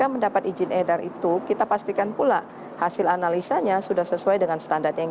mendapat izin edar itu kita pastikan pula hasil analisanya sudah sesuai dengan standar yang